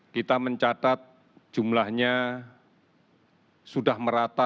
kita mencatat jumlahnya sudah merata